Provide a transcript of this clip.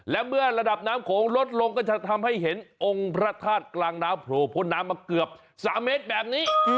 และเมื่อระดับน้ำโขงลดลงก็จะทำให้เห็นองค์พระธาตุกลางน้ำโผล่พ้นน้ำมาเกือบ๓เมตรแบบนี้